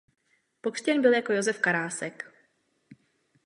Pokřtěn byl jako Josef Karásek.